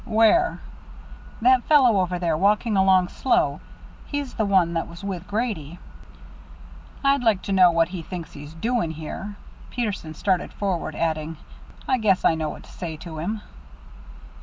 "Where?" "That fellow over there, walking along slow. He's the one that was with Grady." "I'd like to know what he thinks he's doing here." Peterson started forward, adding, "I guess I know what to say to him."